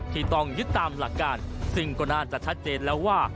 ที่ต้องยึดตามหลักการซึ่งก็น่าจะชัดเจนแล้วว่า